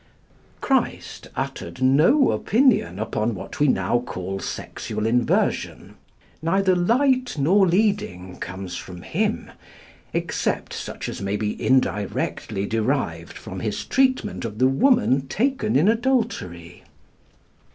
Christ uttered no opinion upon what we now call sexual inversion. Neither light nor leading comes from Him, except such as may be indirectly derived from his treatment of the woman taken in adultery.